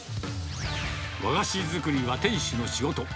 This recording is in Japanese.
和菓子作りは店主の仕事。